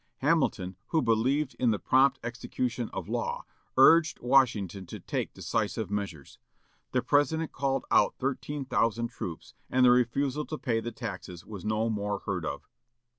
Hamilton, who believed in the prompt execution of law, urged Washington to take decisive measures. The President called out thirteen thousand troops, and the refusal to pay the taxes was no more heard of.